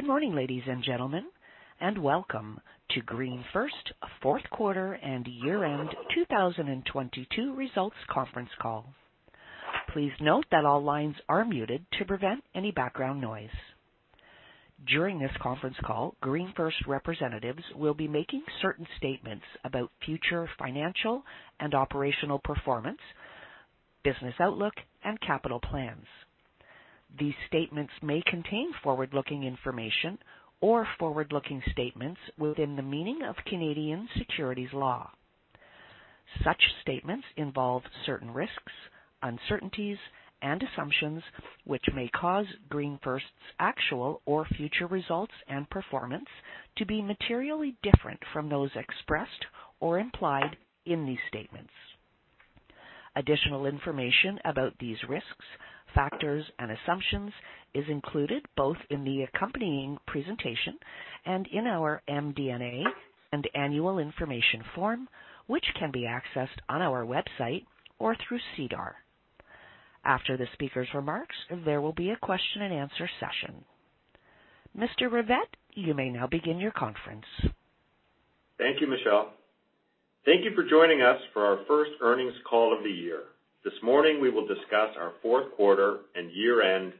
Good morning, ladies and gentlemen, and welcome to GreenFirst fourth quarter and year-end 2022 results conference call. Please note that all lines are muted to prevent any background noise. During this conference call, GreenFirst representatives will be making certain statements about future financial and operational performance, business outlook and capital plans. These statements may contain forward-looking information or forward-looking statements within the meaning of Canadian securities law. Such statements involve certain risks, uncertainties, and assumptions which may cause GreenFirst's actual or future results and performance to be materially different from those expressed or implied in these statements. Additional information about these risks, factors, and assumptions is included both in the accompanying presentation and in our MD&A and Annual Information Form, which can be accessed on our website or through SEDAR. After the speaker's remarks, there will be a question-and-answer session. Mr. Rivett, you may now begin your conference. Thank you, Michelle. Thank you for joining us for our first earnings call of the year. This morning, we will discuss our fourth quarter and year-end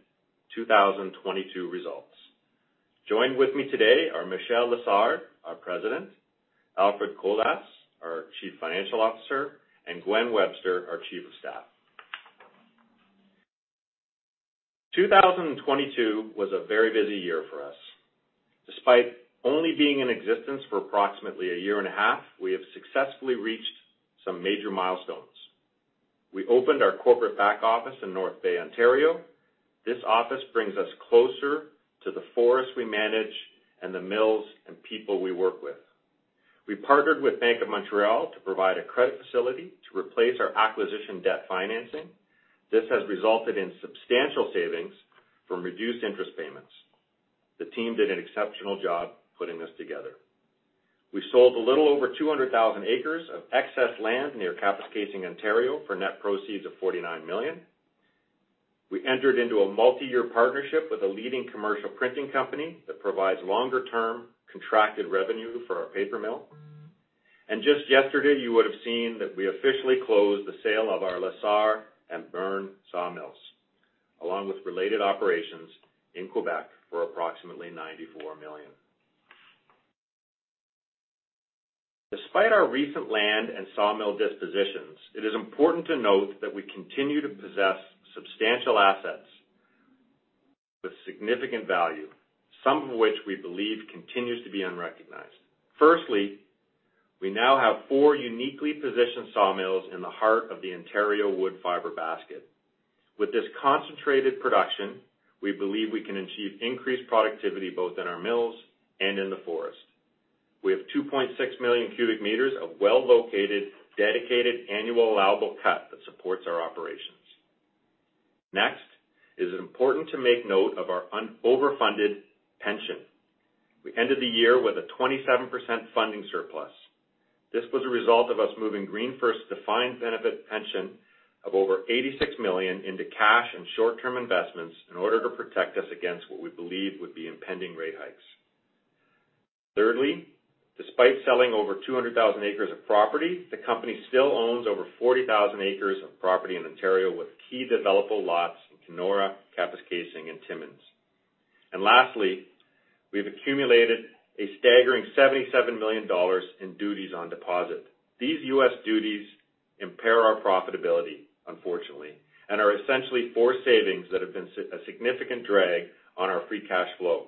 2022 results. Joined with me today are Michel Lessard, our President, Alfred Colas, our Chief Financial Officer, and Gwen Webster, our Chief of Staff. 2022 was a very busy year for us. Despite only being in existence for approximately a year and a half, we have successfully reached some major milestones. We opened our corporate back office in North Bay, Ontario. This office brings us closer to the forest we manage and the mills and people we work with. We partnered with Bank of Montreal to provide a credit facility to replace our acquisition debt financing. This has resulted in substantial savings from reduced interest payments. The team did an exceptional job putting this together. We sold a little over 200,000 acres of excess land near Kapuskasing, Ontario for net proceeds of 49 million. We entered into a multi-year partnership with a leading commercial printing company that provides longer-term contracted revenue for our paper mill. Just yesterday, you would have seen that we officially closed the sale of our La Sarre and Béarn sawmills, along with related operations in Quebec for approximately 94 million. Despite our recent land and sawmill dispositions, it is important to note that we continue to possess substantial assets with significant value, some of which we believe continues to be unrecognized. Firstly, we now have four uniquely positioned sawmills in the heart of the Ontario wood fiber basket. With this concentrated production, we believe we can achieve increased productivity both in our mills and in the forest. We have 2.6 million cubic meters of well-located, dedicated annual allowable cut that supports our operations. It is important to make note of our un-overfunded pension. We ended the year with a 27% funding surplus. This was a result of us moving GreenFirst's defined benefit pension of over 86 million into cash and short-term investments in order to protect us against what we believe would be impending rate hikes. Despite selling over 200,000 acres of property, the company still owns over 40,000 acres of property in Ontario with key developable lots in Kenora, Kapuskasing, and Timmins. Lastly, we've accumulated a staggering $77 million in duties on deposit. These U.S. duties impair our profitability, unfortunately, and are essentially for savings that have been a significant drag on our free cash flow.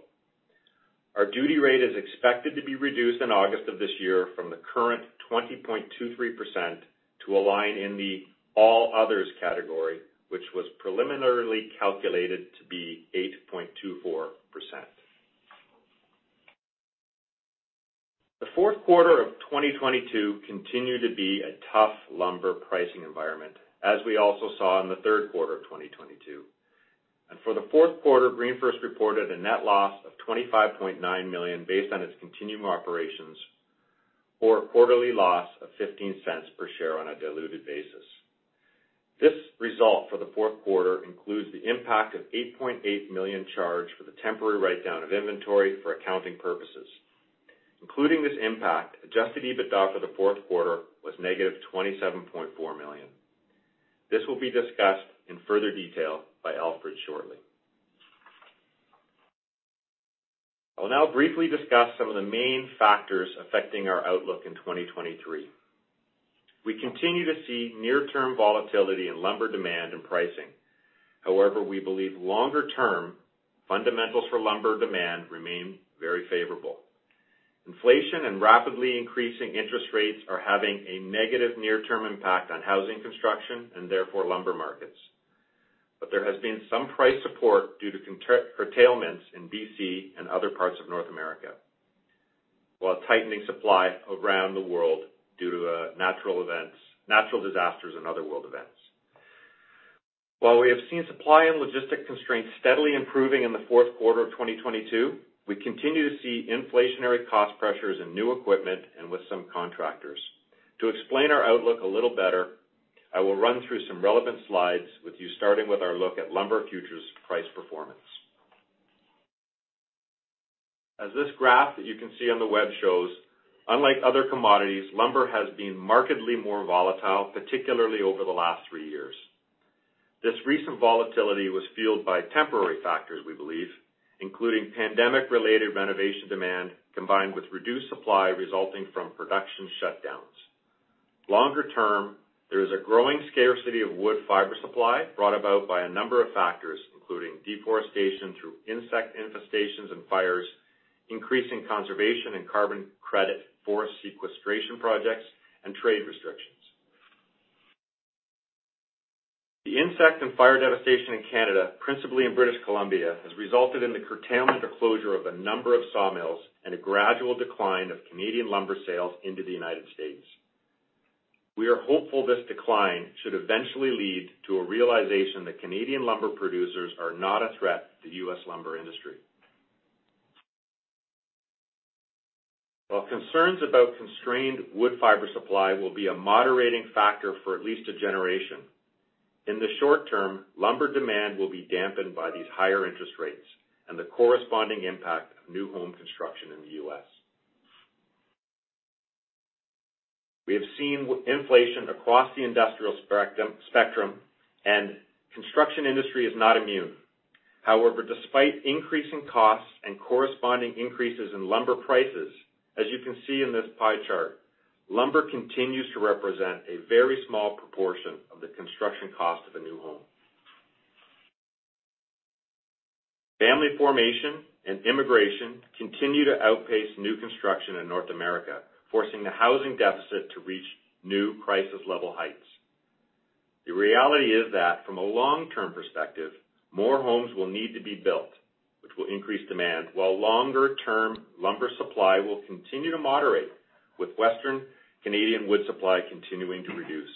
Our duty rate is expected to be reduced in August of this year from the current 20.23% to align in the all-others category, which was preliminarily calculated to be 8.24%. The fourth quarter of 2022 continued to be a tough lumber pricing environment, as we also saw in the third quarter of 2022. For the fourth quarter, GreenFirst reported a net loss of 25.9 million based on its continuing operations or a quarterly loss of 0.15 per share on a diluted basis. This result for the fourth quarter includes the impact of 8.8 million charge for the temporary write-down of inventory for accounting purposes. Including this impact, adjusted EBITDA for the fourth quarter was -27.4 million. This will be discussed in further detail by Alfred shortly. I will now briefly discuss some of the main factors affecting our outlook in 2023. We continue to see near-term volatility in lumber demand and pricing. We believe longer-term fundamentals for lumber demand remain very favorable. Inflation and rapidly increasing interest rates are having a negative near-term impact on housing construction and therefore lumber markets. There has been some price support due to curtailments in BC and other parts of North America, while tightening supply around the world due to natural events, natural disasters, and other world events. While we have seen supply and logistics constraints steadily improving in the fourth quarter of 2022, we continue to see inflationary cost pressures in new equipment and with some contractors. To explain our outlook a little better, I will run through some relevant slides with you, starting with our look at lumber futures price performance. As this graph that you can see on the web shows, unlike other commodities, lumber has been markedly more volatile, particularly over the last three years. This recent volatility was fueled by temporary factors we believe, including pandemic-related renovation demand combined with reduced supply resulting from production shutdowns. Longer term, there is a growing scarcity of wood fiber supply brought about by a number of factors, including deforestation through insect infestations and fires, increasing conservation and carbon credit forest sequestration projects and trade restrictions. The insect and fire devastation in Canada, principally in British Columbia, has resulted in the curtailment or closure of a number of sawmills and a gradual decline of Canadian lumber sales into the United States. We are hopeful this decline should eventually lead to a realization that Canadian lumber producers are not a threat to U.S. lumber industry. While concerns about constrained wood fiber supply will be a moderating factor for at least a generation, in the short term, lumber demand will be dampened by these higher interest rates and the corresponding impact of new home construction in the U.S. We have seen inflation across the industrial spectrum, and construction industry is not immune. However, despite increasing costs and corresponding increases in lumber prices, as you can see in this pie chart, lumber continues to represent a very small proportion of the construction cost of a new home. Family formation and immigration continue to outpace new construction in North America, forcing the housing deficit to reach new crisis level heights. The reality is that from a long-term perspective, more homes will need to be built, which will increase demand while longer-term lumber supply will continue to moderate with Western Canadian wood supply continuing to reduce.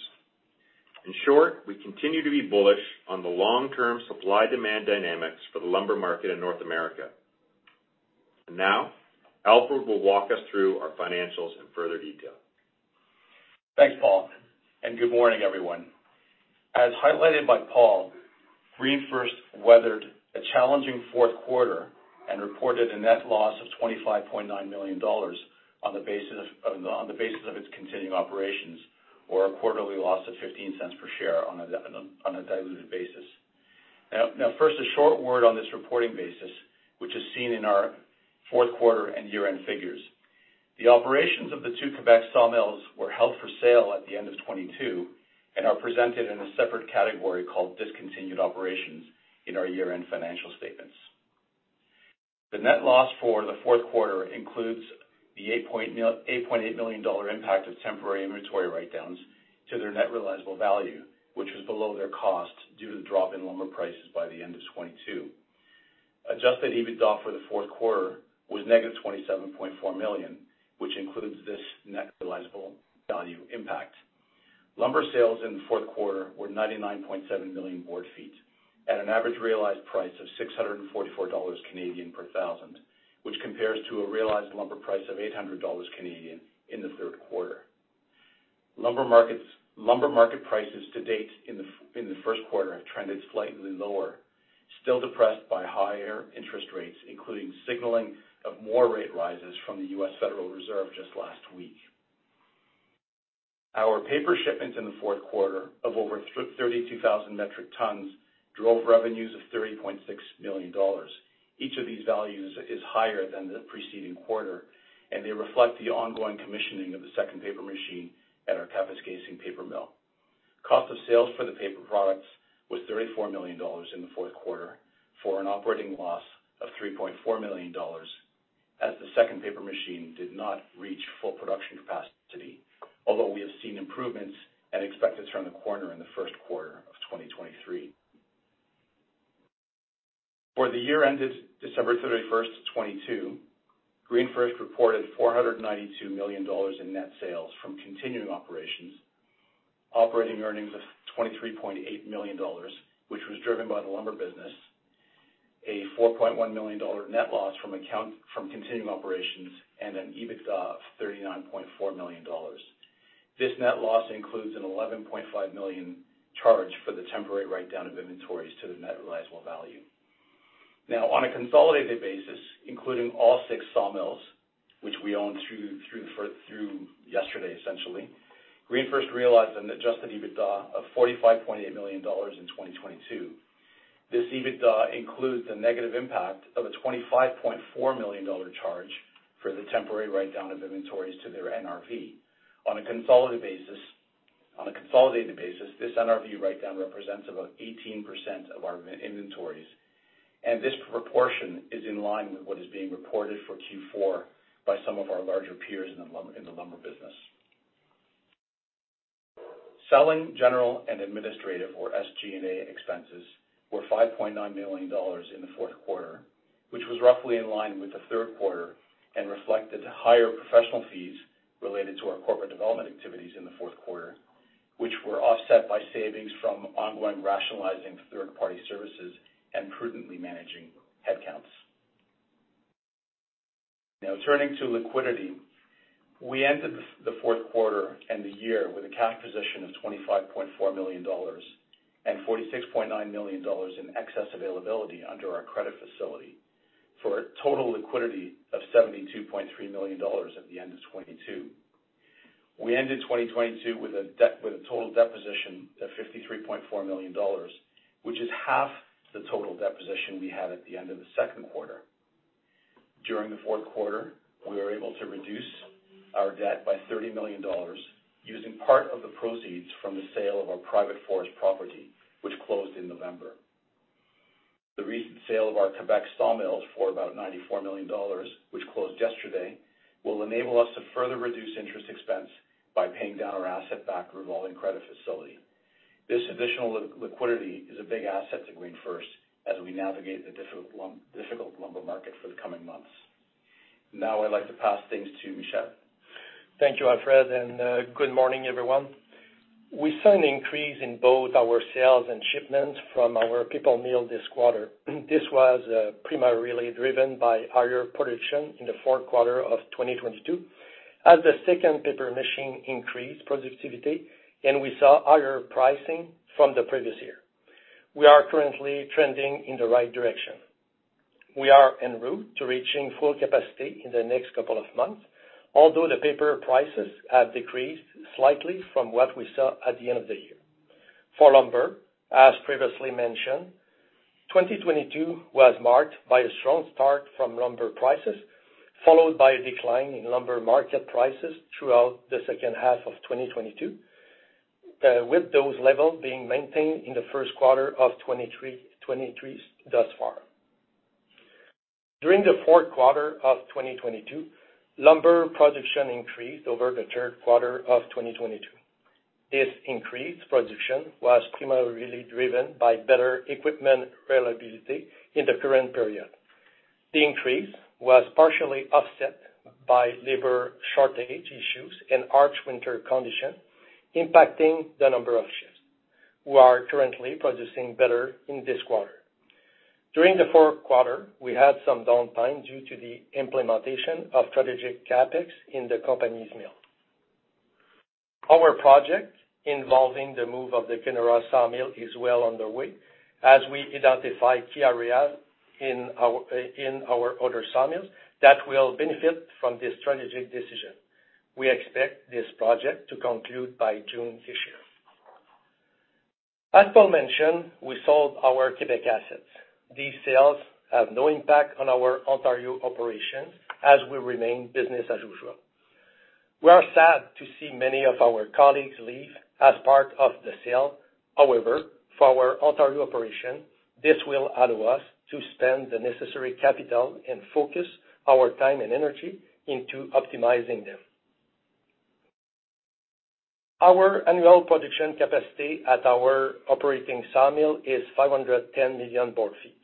In short, we continue to be bullish on the long-term supply-demand dynamics for the lumber market in North America. Now Alfred will walk us through our financials in further detail. Thanks, Paul. Good morning, everyone. As highlighted by Paul, Green First weathered a challenging fourth quarter and reported a net loss of 25.9 million dollars on the basis of its continuing operations or a quarterly loss of 0.15 per share on a diluted basis. First, a short word on this reporting basis, which is seen in our fourth quarter and year-end figures. The operations of the two Quebec sawmills were held for sale at the end of 2022 and are presented in a separate category called Discontinued Operations in our year-end financial statements. The net loss for the fourth quarter includes the 8.8 million dollars impact of temporary inventory write-downs to their net realizable value, which was below their cost due to the drop in lumber prices by the end of 2022. Adjusted EBITDA for the fourth quarter was -27.4 million, which includes this net realizable value impact. Lumber sales in the fourth quarter were 99.7 million board feet at an average realized price of 644 dollars per thousand, which compares to a realized lumber price of 800 dollars in the third quarter. Lumber market prices to date in the first quarter have trended slightly lower, still depressed by higher interest rates, including signaling of more rate rises from the US Federal Reserve just last week. Our paper shipments in the fourth quarter of over 32,000 metric tons drove revenues of 30.6 million dollars. Each of these values is higher than the preceding quarter, they reflect the ongoing commissioning of the second paper machine at our Kapuskasing paper mill. Cost of sales for the paper products was 34 million dollars in the fourth quarter for an operating loss of 3.4 million dollars as the second paper machine did not reach full production capacity. We have seen improvements and expect to turn the corner in the first quarter of 2023. For the year ended December 31st, 2022, GreenFirst reported $492 million in net sales from continuing operations, operating earnings of $23.8 million, which was driven by the lumber business, a $4.1 million net loss from continuing operations, and an EBITDA of $39.4 million. This net loss includes an $11.5 million charge for the temporary write-down of inventories to the net realizable value. Now, on a consolidated basis, including all six sawmills, which we own through yesterday, essentially, GreenFirst realized an adjusted EBITDA of $45.8 million in 2022. This EBITDA includes a negative impact of a $25.4 million charge for the temporary write-down of inventories to their NRV. On a consolidated basis, this NRV write-down represents about 18% of our inventories, and this proportion is in line with what is being reported for Q4 by some of our larger peers in the lumber business. Selling, general, and administrative or SG&A expenses were 5.9 million dollars in the fourth quarter, which was roughly in line with the third quarter and reflected higher professional fees related to our corporate development activities in the fourth quarter, which were offset by savings from ongoing rationalizing third-party services and prudently managing headcounts. Now turning to liquidity. We entered the fourth quarter and the year with a cash position of 25.4 million dollars and 46.9 million dollars in excess availability under our credit facility for a total liquidity of 72.3 million dollars at the end of 2022. We ended 2022 with a debt with a total debt position of 53.4 million dollars, which is half the total debt position we had at the end of the second quarter. During the fourth quarter, we were able to reduce our debt by 30 million dollars using part of the proceeds from the sale of our private forest property, which closed in November. The recent sale of our Quebec sawmills for about 94 million dollars, which closed yesterday, will enable us to further reduce interest expense by paying down our asset-backed revolving credit facility. This additional liquidity is a big asset to GreenFirst as we navigate the difficult lumber market for the coming months. Now I'd like to pass things to Michel. Thank you, Alfred, good morning, everyone. We saw an increase in both our sales and shipments from our paper mill this quarter. This was primarily driven by higher production in the fourth quarter of 2022 as the second paper machine increased productivity, and we saw higher pricing from the previous year. We are currently trending in the right direction. We are en route to reaching full capacity in the next couple of months, although the paper prices have decreased slightly from what we saw at the end of the year. For lumber, as previously mentioned, 2022 was marked by a strong start from lumber prices, followed by a decline in lumber market prices throughout the second half of 2022, with those levels being maintained in the first quarter of 2023 thus far. During the fourth quarter of 2022, lumber production increased over the third quarter of 2022. This increased production was primarily driven by better equipment reliability in the current period. The increase was partially offset by labor shortage issues and harsh winter conditions impacting the number of shifts. We are currently producing better in this quarter. During the fourth quarter, we had some downtime due to the implementation of strategic CapEx in the company's mill. Our project involving the move of the Kenora sawmill is well underway as we identify key areas in our other sawmills that will benefit from this strategic decision. We expect this project to conclude by June this year. As Paul mentioned, we sold our Quebec assets. These sales have no impact on our Ontario operations as we remain business as usual. We are sad to see many of our colleagues leave as part of the sale. However, for our Ontario operation, this will allow us to spend the necessary capital and focus our time and energy into optimizing them. Our annual production capacity at our operating sawmill is 510 million board feet.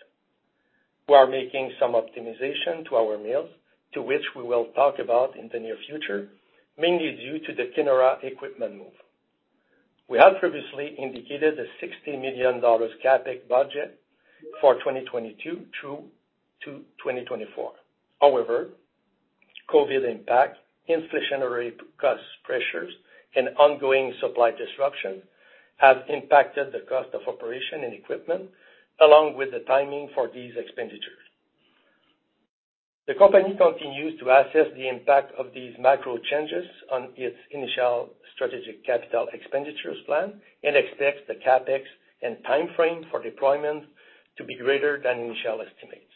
We are making some optimization to our mills, to which we will talk about in the near future, mainly due to the Kenora equipment move. We have previously indicated a CAD 60 million CapEx budget for 2022 through to 2024. However, COVID impact, inflationary cost pressures, and ongoing supply disruptions have impacted the cost of operation and equipment, along with the timing for these expenditures. The company continues to assess the impact of these macro changes on its initial strategic capital expenditures plan and expects the CapEx and timeframe for deployment to be greater than initial estimates.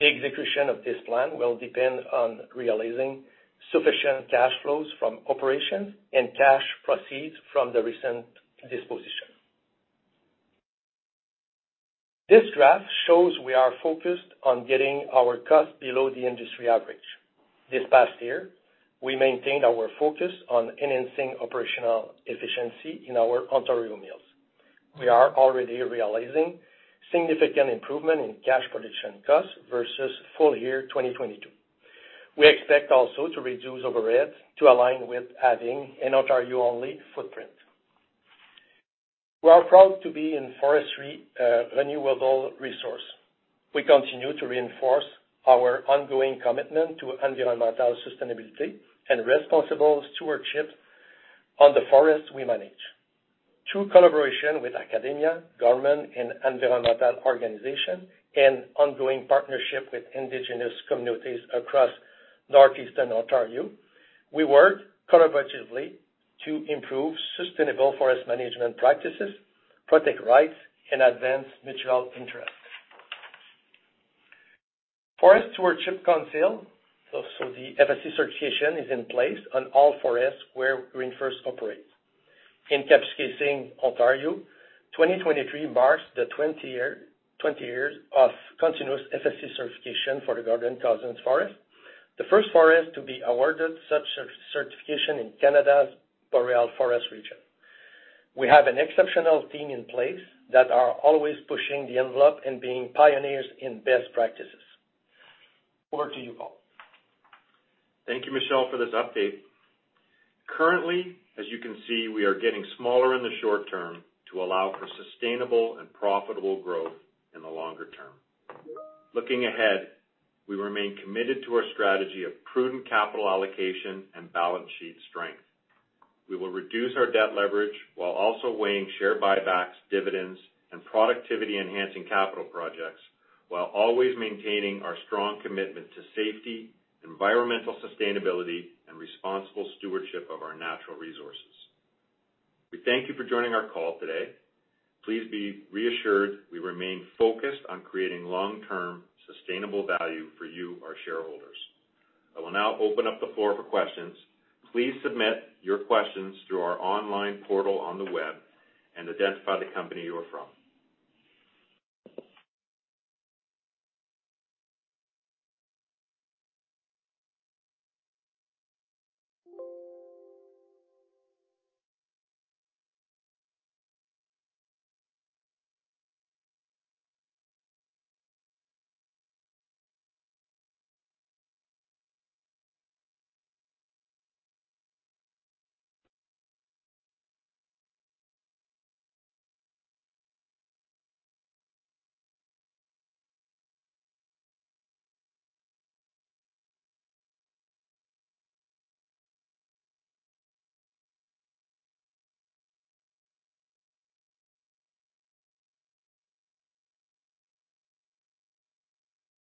The execution of this plan will depend on realizing sufficient cash flows from operations and cash proceeds from the recent disposition. This graph shows we are focused on getting our costs below the industry average. This past year, we maintained our focus on enhancing operational efficiency in our Ontario mills. We are already realizing significant improvement in cash production costs versus full year 2022. We expect also to reduce overheads to align with adding an Ontario-only footprint. We are proud to be in forestry, renewable resource. We continue to reinforce our ongoing commitment to environmental sustainability and responsible stewardship on the forest we manage. Through collaboration with academia, government, and environmental organizations and ongoing partnership with indigenous communities across northeastern Ontario, we work collaboratively to improve sustainable forest management practices, protect rights, and advance mutual interests. Forest Stewardship Council, so the FSC certification is in place on all forests where GreenFirst operates. In Kapuskasing, Ontario, 2023 marks the 20 years of continuous FSC certification for the Gordon Cosens Forest, the first forest to be awarded such certification in Canada's Boreal Forest region. We have an exceptional team in place that are always pushing the envelope and being pioneers in best practices. Over to you, Paul. Thank you, Michel, for this update. Currently, as you can see, we are getting smaller in the short term to allow for sustainable and profitable growth in the longer term. Looking ahead, we remain committed to our strategy of prudent capital allocation and balance sheet strength. We will reduce our debt leverage while also weighing share buybacks, dividends, and productivity-enhancing capital projects, while always maintaining our strong commitment to safety, environmental sustainability, and responsible stewardship of our natural resources. We thank you for joining our call today. Please be reassured we remain focused on creating long-term sustainable value for you, our shareholders. I will now open up the floor for questions. Please submit your questions through our online portal on the web and identify the company you are from.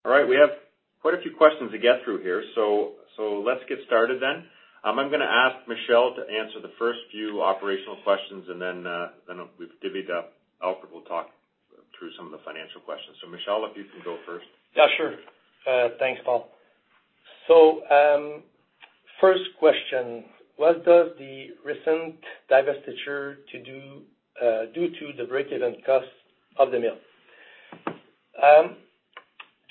We have quite a few questions to get through here, let's get started then. I'm gonna ask Michel to answer the first few operational questions, and then we'll divvy it up. Alfred will talk through some of the financial questions. Michel, if you can go first. Yeah, sure. Thanks, Paul. First question: What does the recent divestiture to do, due to the breakeven costs of the mill?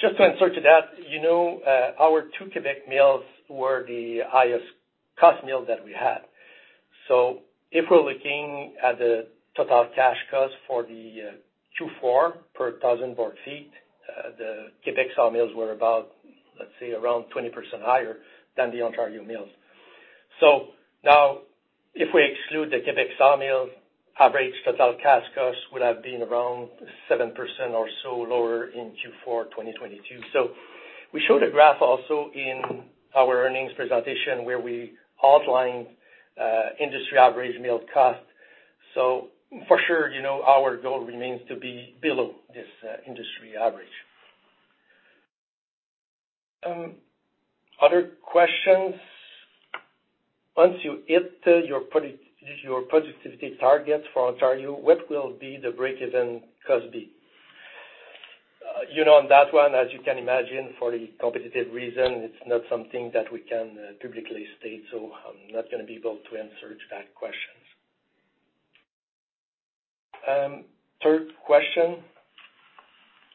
Just to answer to that, you know, our two Quebec mills were the highest cost mills that we had. If we're looking at the total cash costs for the Q4 per thousand board feet, the Quebec sawmills were about, let's say, around 20% higher than the Ontario mills. Now, if we exclude the Quebec sawmills, average total cash costs would have been around 7% or so lower in Q4 2022. We showed a graph also in our earnings presentation where we outlined, industry average mill cost. For sure, you know, our goal remains to be below this, industry average. Other questions. Once you hit your productivity targets for Ontario, what will be the breakeven cost? You know, on that one, as you can imagine, for the competitive reason, it's not something that we can publicly state, I'm not gonna be able to answer to that questions. Third question: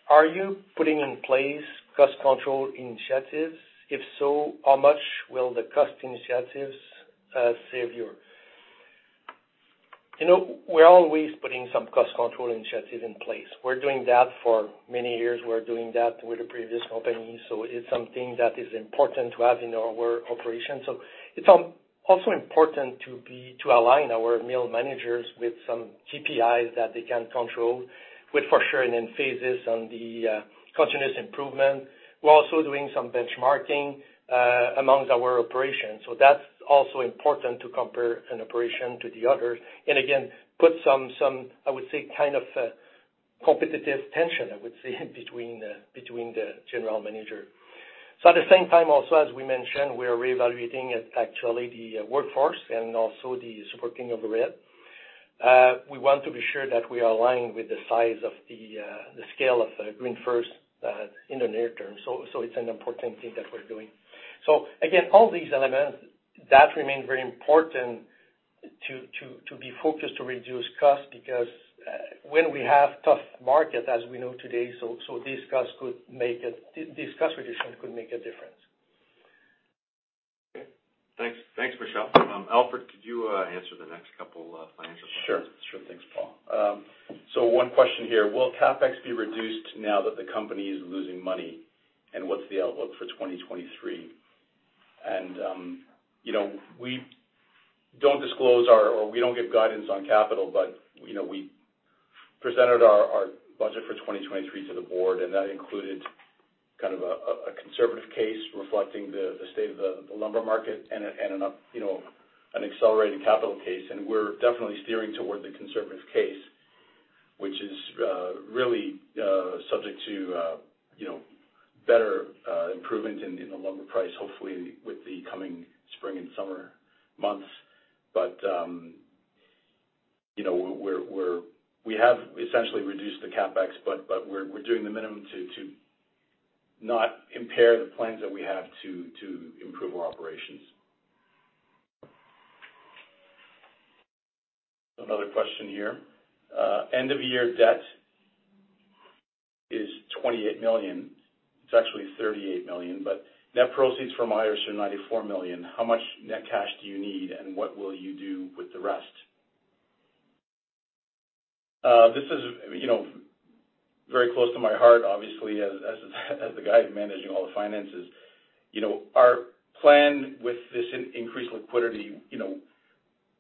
Are you putting in place cost control initiatives? If so, how much will the cost initiatives save you? You know, we're always putting some cost control initiatives in place. We're doing that for many years. We're doing that with the previous company, it's something that is important to have in our operation. It's also important to align our mill managers with some KPIs that they can control, with for sure an emphasis on the continuous improvement. We're also doing some benchmarking amongst our operations. That's also important to compare an operation to the others. Again, put some, I would say, kind of a competitive tension, I would say, between the general manager. At the same time, also, as we mentioned, we are reevaluating actually the workforce and also the supporting of the mill. We want to be sure that we are aligned with the size of the scale of GreenFirst in the near term. It's an important thing that we're doing. Again, all these elements, that remains very important to be focused to reduce costs because when we have tough market, as we know today, so these costs the, these cost reductions could make a difference. Okay. Thanks. Thanks, Michel. Alfred, could you answer the next couple of financial questions? Sure. Sure thing, Paul. One question here: Will CapEx be reduced now that the company is losing money? What's the outlook for 2023? You know, we don't disclose our or we don't give guidance on capital, but, you know, we presented our budget for 2023 to the board, and that included kind of a conservative case reflecting the state of the lumber market and an up, you know, an accelerated capital case. We're definitely steering toward the conservative case, which is really subject to, you know, better improvement in the lumber price, hopefully with the coming spring and summer months. You know, we have essentially reduced the CapEx, but we're doing the minimum to not impair the plans that we have to improve our operations. Another question here. End of year debt is 28 million. It's actually 38 million, but net proceeds from Irish are 94 million. How much net cash do you need, and what will you do with the rest? This is, you know, very close to my heart, obviously, as the guy managing all the finances. You know, our plan with this increased liquidity, you know,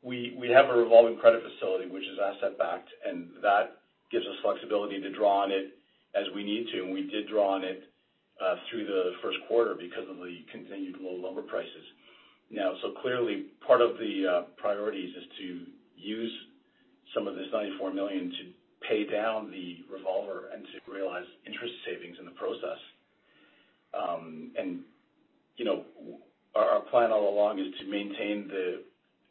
we have a revolving credit facility which is asset backed, and that gives us flexibility to draw on it as we need to. We did draw on it through the first quarter because of the continued low lumber prices. Clearly part of the priorities is to use some of this $94 million to pay down the revolver and to realize interest savings in the process. You know, our plan all along is to maintain the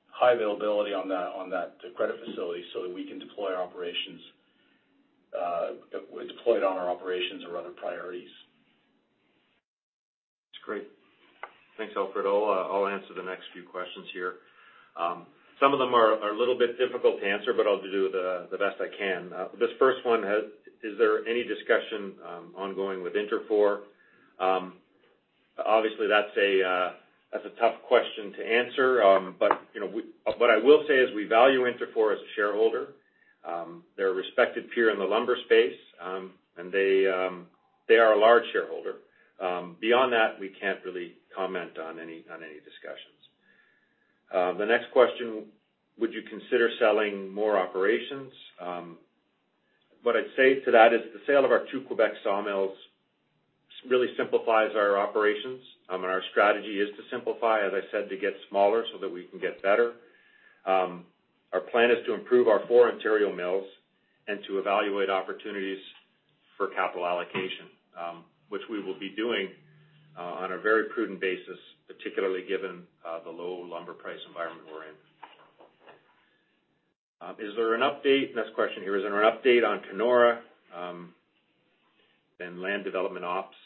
high availability on that credit facility so that we can deploy our operations, deploy it on our operations or other priorities. That's great. Thanks, Alfred. I'll answer the next few questions here. Some of them are a little bit difficult to answer, but I'll do the best I can. This first one has Is there any discussion ongoing with Interfor? Obviously that's a tough question to answer. But, you know, what I will say is we value Interfor as a shareholder. They're a respected peer in the lumber space, and they are a large shareholder. Beyond that, we can't really comment on any discussions. The next question, would you consider selling more operations? What I'd say to that is the sale of our two Quebec sawmills really simplifies our operations, and our strategy is to simplify, as I said, to get smaller so that we can get better. Our plan is to improve our four Ontario mills and to evaluate opportunities for capital allocation, which we will be doing on a very prudent basis, particularly given the low lumber price environment we're in. Is there an update? Next question here, is there an update on Kenora and land development ops?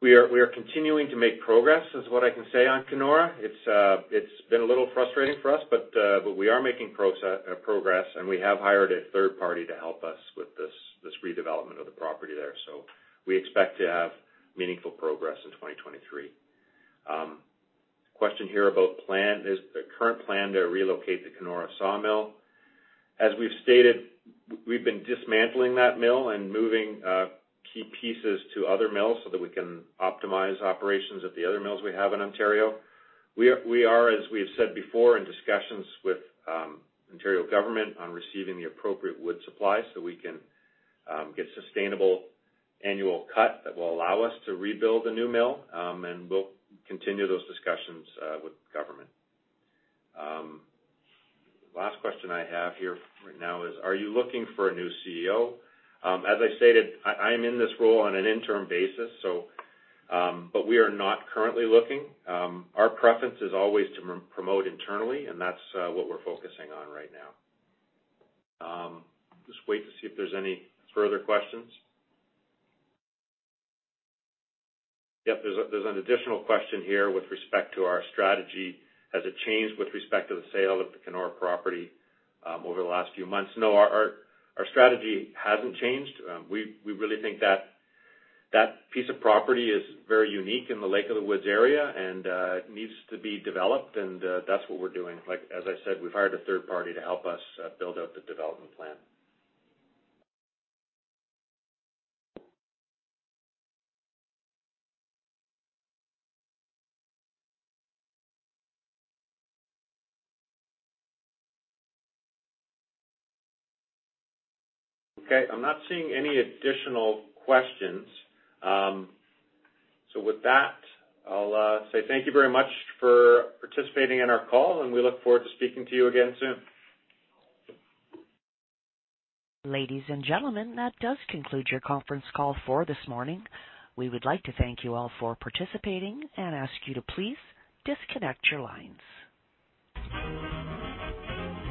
We are continuing to make progress is what I can say on Kenora. It's been a little frustrating for us, but we are making progress, and we have hired a third party to help us with this redevelopment of the property there. So we expect to have meaningful progress in 2023. Question here about plan. Is the current plan to relocate the Kenora sawmill? As we've stated, we've been dismantling that mill and moving key pieces to other mills so that we can optimize operations at the other mills we have in Ontario. We are, as we have said before, in discussions with Ontario government on receiving the appropriate wood supply so we can get sustainable annual cut that will allow us to rebuild a new mill. We'll continue those discussions with government. Last question I have here right now is, are you looking for a new CEO? As I stated, I am in this role on an interim basis, so, but we are not currently looking. Our preference is always to promote internally, that's what we're focusing on right now. Just wait to see if there's any further questions. Yep, there's an additional question here with respect to our strategy. Has it changed with respect to the sale of the Kenora property over the last few months? No, our strategy hasn't changed. We really think that that piece of property is very unique in the Lake of the Woods area and needs to be developed and that's what we're doing. Like as I said, we've hired a third party to help us build out the development plan. Okay, I'm not seeing any additional questions. With that, I'll say thank you very much for participating in our call, and we look forward to speaking to you again soon. Ladies and gentlemen, that does conclude your conference call for this morning. We would like to thank you all for participating and ask you to please disconnect your lines.